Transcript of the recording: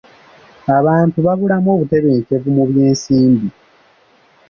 Abantu babulamu obutebenkevu mu byensimbi.